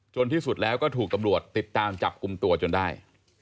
ที่สุดแล้วก็ถูกตำรวจติดตามจับกลุ่มตัวจนได้